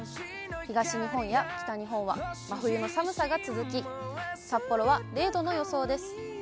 東日本や北日本は真冬の寒さが続き、札幌は０度の予想です。